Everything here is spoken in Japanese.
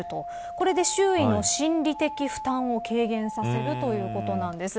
これで周囲の心理的負担を軽減させるということなんです。